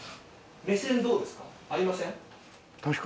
目線どうですか？